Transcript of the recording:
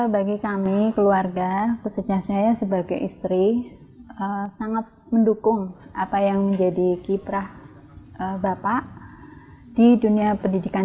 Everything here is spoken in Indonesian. bagi kami keluarga khususnya saya sebagai istri sangat mendukung apa yang menjadi kiprah bapak di dunia pendidikan